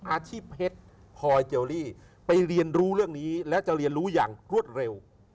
อาชีพเพชรพลอยเจลลี่ไปเรียนรู้เรื่องนี้และจะเรียนรู้อย่างรวดเร็ว